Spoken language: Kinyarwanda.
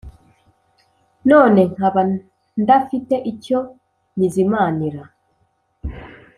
none nkaba ndafite icyo nyizimanira: